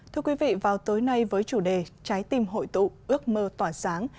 thưa quý vị vào tối nay với chủ đề trái tim hội tụ ước mơ tỏa sáng